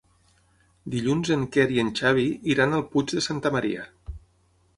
Dilluns en Quer i en Xavi iran al Puig de Santa Maria.